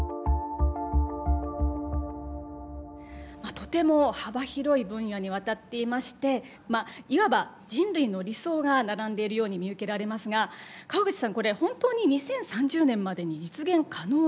とても幅広い分野にわたっていましてまあいわば人類の理想が並んでいるように見受けられますが河口さんこれ本当に２０３０年までに実現可能なんでしょうか？